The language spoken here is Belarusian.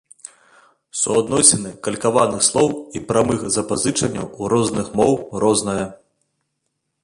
Суадносіны калькаваных слоў і прамых запазычанняў у розных моў рознае.